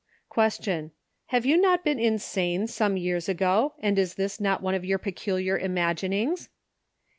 Q. — Have you not been insane some years ago, and is this not one of your peculiar imaginings